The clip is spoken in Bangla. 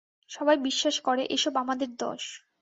সবাই বিশ্বাস করে এসব আমাদের দোষ।